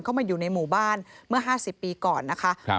เข้ามาอยู่ในหมู่บ้านเมื่อ๕๐ปีก่อนนะคะ